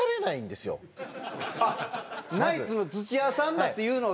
あっナイツの土屋さんだっていうのを気付かれない？